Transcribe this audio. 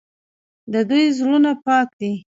د دوی زړونه پاک دي.